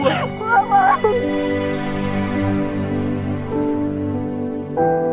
gue gak mau